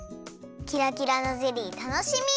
キラキラのゼリーたのしみ！